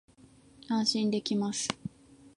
安心できます